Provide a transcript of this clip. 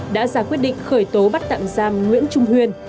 đã ra quyết định khởi tố bắt tạm giam nguyễn trung huyên